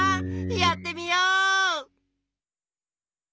やってみよう！